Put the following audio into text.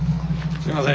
すみません